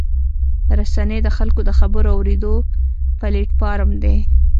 رسنۍ د خلکو د خبرو اورېدو پلیټفارم دی.